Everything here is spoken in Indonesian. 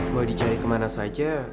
mau dicari kemana saja